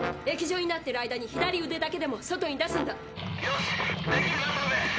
液状になってる間に左うでだけでも外に出すんだ。